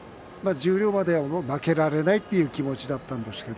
十両までは負けられないという気持ちだったと思います。